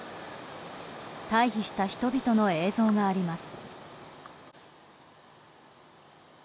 退避した人々の映像があります。